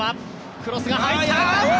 クロスが入ってきた。